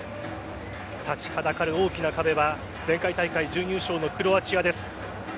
立ちはだかる大きな壁は前回大会準優勝のクロアチアです。